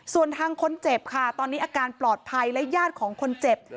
ส่วนทางคนเจ็บค่ะตอนนี้อาการปลอดภัยและญาติของคนเจ็บ